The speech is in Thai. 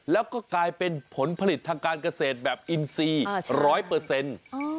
แล้วก็กลายเป็นผลผลิตทางการเกษตรแบบอินซีร้อยเปอร์เซ็นต์